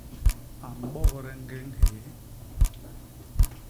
A mbogde ñgéñ hyéé.